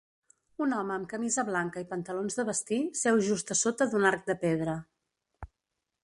Un home amb camisa blanca i pantalons de vestir seu just a sota d'un arc de pedra.